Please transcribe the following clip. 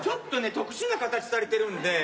特殊な形されてるんで。